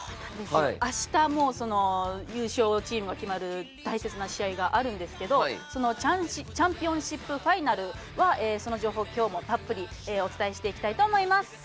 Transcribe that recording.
あした優勝チームが決まる大切な試合があるんですけどチャンピオンシップファイナルはその情報、きょうもたっぷりお伝えしていきたいと思います。